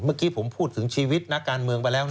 เมื่อกี้ผมพูดถึงชีวิตนักการเมืองไปแล้วนะ